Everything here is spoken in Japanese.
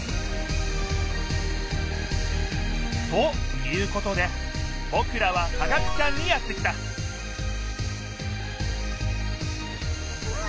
お！ということでぼくらは科学館にやって来たうわ！